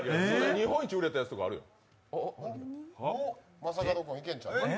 日本一売れたやつとかあるやん。